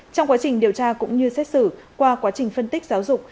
trong quá trình điều tra cũng như xét xử qua quá trình phân tích giáo dục